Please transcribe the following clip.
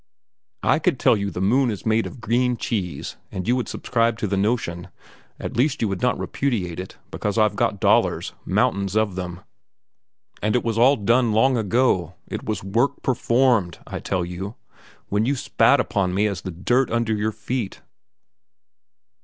I could tell you the moon is made of green cheese and you would subscribe to the notion, at least you would not repudiate it, because I've got dollars, mountains of them. And it was all done long ago; it was work performed, I tell you, when you spat upon me as the dirt under your feet."